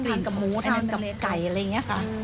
กับหมูทานกับไก่อะไรอย่างนี้ค่ะ